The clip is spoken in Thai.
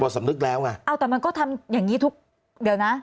สำนึกแล้วไงเอาแต่มันก็ทำอย่างงี้ทุกเดี๋ยวนะ